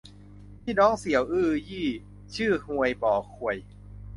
พี่น้องเซียวฮื่อยี้ ชื่อฮวยบ่อข่วย